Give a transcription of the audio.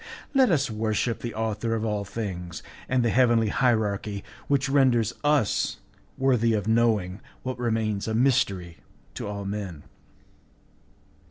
Let us worship the Author of all things, and the heavenly hierarchy which renders us worthy of knowing what remains a mystery to all men.